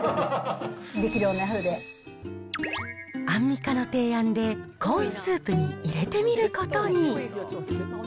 できるアンミカの提案でコーンスープに入れてみることに。